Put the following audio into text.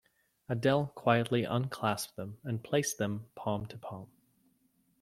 Adele quietly unclasped them and placed them palm to palm.